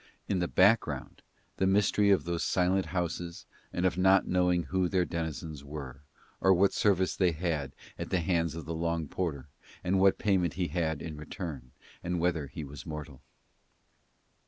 In the background, the mystery of those silent houses and of not knowing who their denizens were, or what service they had at the hands of the long porter and what payment he had in return, and whether he was mortal.